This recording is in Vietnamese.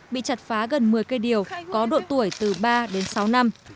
bị chặt phá gần một mươi cây điều có độ tuổi từ ba đến sáu năm